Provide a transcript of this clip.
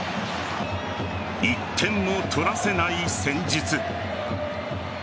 １点も取らせない戦術。